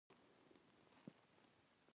کوچیان د افغانستان د زرغونتیا نښه ده.